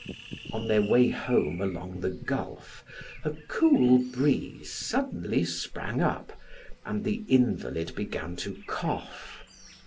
On their way home along the gulf a cool breeze suddenly sprang up, and the invalid began to cough.